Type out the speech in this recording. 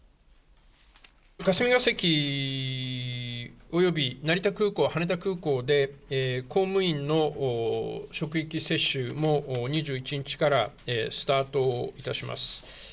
霞が関および成田空港、羽田空港で、公務員の職域接種も２１日からスタートいたします。